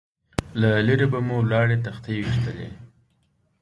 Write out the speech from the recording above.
له لرې به مو ولاړې تختې ويشتلې.